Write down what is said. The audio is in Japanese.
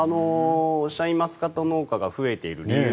シャインマスカット農家が増えている理由